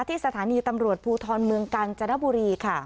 ที่สถานีตำรวจภูทรเมืองกาญจนบุรีค่ะ